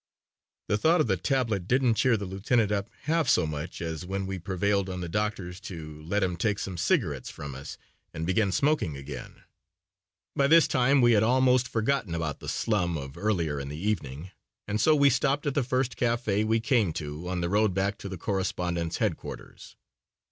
'" The thought of the tablet didn't cheer the lieutenant up half so much as when we prevailed on the doctors to let him take some cigarettes from us and begin smoking again. By this time we had almost forgotten about the slum of earlier in the evening and so we stopped at the first café we came to on the road back to the correspondents' headquarters.